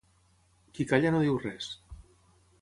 Qui calla no diu res.